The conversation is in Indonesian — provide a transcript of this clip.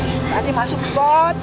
tadi masuk pot